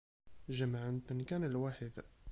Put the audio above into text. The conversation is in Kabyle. Jemɛemt-ten kan lwaḥid.